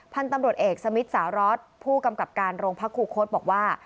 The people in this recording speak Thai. พันธุ์ตำรวจเอกสมิทสารสผู้กำกับการโรงพักครูคดบอกว่า